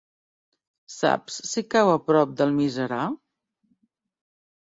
Saps si cau a prop d'Almiserà?